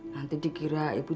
nanti dikira ibu